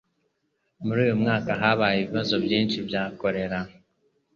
Muri uyu mwaka habaye ibibazo byinshi bya kolera.